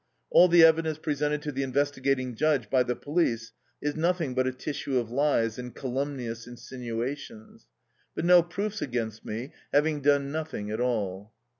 All the evidence presented to the investigating judge by the police is nothing but a tissue of lies and calumnious insinuations. But no proofs against me, having done nothing at all.